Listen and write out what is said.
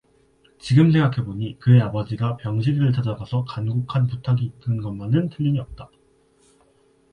지금 생각해 보니 그의 아버지가 병식이를 찾아가서 간곡한 부탁이 있은 것만은 틀림이 없다.